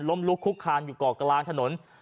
ล้มลุกคลุกคานอยู่ก่อกลางถนน